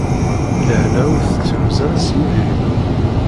Lehna ur tettnuz ara s yidrimen.